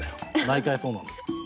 毎回そうなんです。